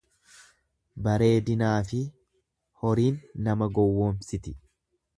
Bareedinaafi horiin nama gowwoomsiti.